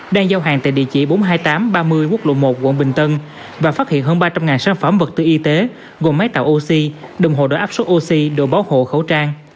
đang giao hàng tại địa chỉ bốn mươi hai nghìn tám trăm ba mươi quốc lộ một quận bình tân và phát hiện hơn ba trăm linh sản phẩm vật tư y tế gồm máy tạo oxy đồng hồ đổi áp sốt oxy đồ báo hộ khẩu trang